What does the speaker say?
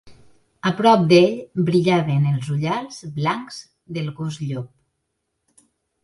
A prop d'ell brillaven els ullals blancs del gos llop.